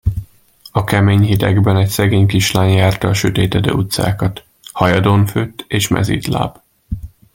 A kemény hidegben egy szegény kislány járta a sötétedő utcákat, hajadonfőtt és mezítláb.